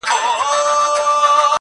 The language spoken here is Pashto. زما فال یې د حافظ په میخانه کي وو کتلی٫